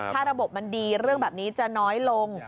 ถ้าระบบมันดีเรื่องแบบนี้จะน้อยลง